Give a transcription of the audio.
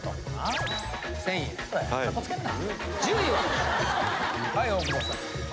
かっこつけるな。